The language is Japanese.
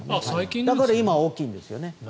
だから今、大きいんですよね。